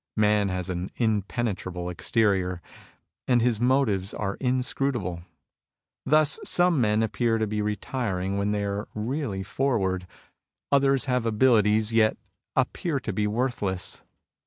Man has an impenetrable exterior, and his motives are inscrutable. Thus some men appear to be retiring when they are really forward. Others have abilities, yet appear to be worthless.